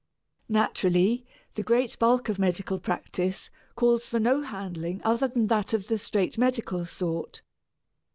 Naturally the great bulk of medical practice calls for no handling other than that of the straight medical sort.